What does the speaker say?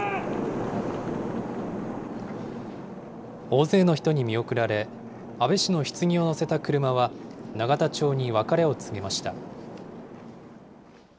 大勢の人に見送られ、安倍氏のひつぎを乗せた車は、永田町に別れを告げました。